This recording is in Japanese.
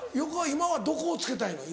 今はどこをつけたいの？